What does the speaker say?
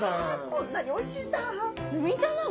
こんなにおいしいんだ！